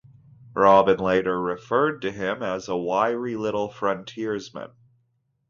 Roblin later referred to him as "a wiry little frontiersman".